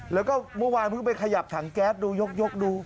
แล้วก็เมื่อวานเพิ่งไปขยับถังแก๊สดูยกดู